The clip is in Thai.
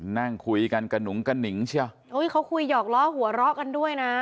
นั่งคุยกันกันหนูกันหนิงเชียวโอ้ยเขาคุยหยอกล้อหัวล้อกันด้วยน่ะ